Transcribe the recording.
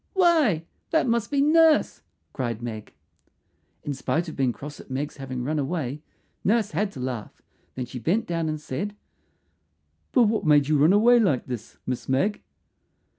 "Why, that must be Nurse," cried Meg. In spite of being cross at Meg's having run away, Nurse had to laugh; then she bent down and said, "But what made you run away like this, Miss Meg?"